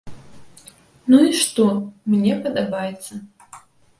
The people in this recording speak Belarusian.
Ну і што, мне падабаецца!